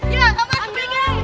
iya kamu harus bergerak